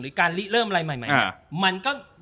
หรือการเริ่มอะไรใหม่มันก็